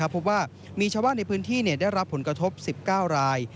พบว่ามีชาวบ้านในพื้นที่ได้รับผลกระทบ๑๙ราย